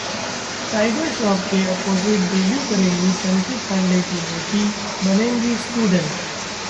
tiger Shroff के opposite debut करेंगी चंकी पांडे की बेटी, बनेंगी 'स्टूडेंट'